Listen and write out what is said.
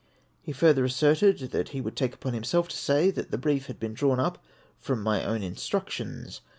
He further asserted that he would take upon himself to say that the brief had been drawn up from my own instructions.